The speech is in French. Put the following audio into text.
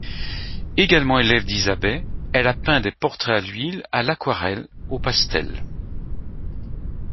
Également élève d’Isabey, elle a peint des portraits à l’huile, à l’aquarelle, au pastel.